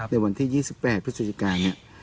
ในวันที่๒๘พฤศจิกาเนี่ย